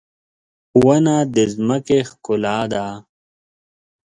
• ونه د ځمکې ښکلا ده.